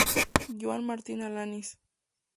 Joan Martí Alanis.